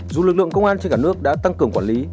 dù lực lượng công an trên cả nước đã tăng cường quản lý